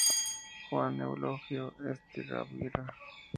Juan Eulogio Estigarribia.